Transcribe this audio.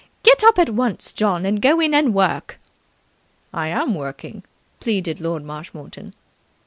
"Get up at once, John, and go in and work." "I am working," pleaded Lord Marshmoreton.